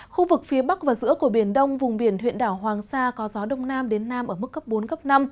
khu vực phía bắc và giữa của biển đông vùng biển huyện đảo hoàng sa có gió đông nam đến nam ở mức cấp bốn cấp năm